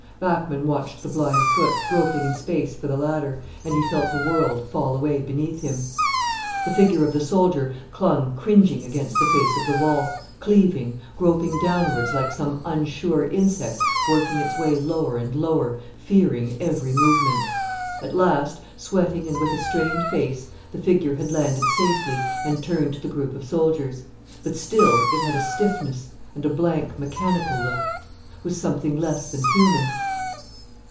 Bachmann watched the blind foot groping in space for the ladder, and he felt the world fall away beneath him. The figure of the soldier clung cringing against the face of the wall, cleaving, groping downwards like some unsure insect working its way lower and lower, fearing every movement. At last, sweating and with a strained face, the figure had landed safely and turned to the group of soldiers. But still it had a stiffness and a blank, mechanical look, was something less than human.